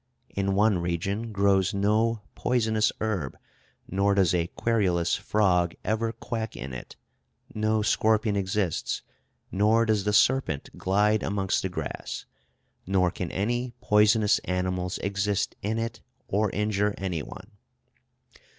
In one region grows no poisonous herb, nor does a querulous frog ever quack in it; no scorpion exists, nor does the serpent glide amongst the grass, nor can any poisonous animals exist in it, or injure any one.